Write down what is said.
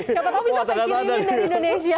siapa tau bisa saya kirimin dari indonesia